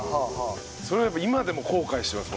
それはやっぱ今でも後悔してます